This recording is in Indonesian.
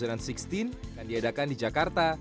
akan diadakan di jakarta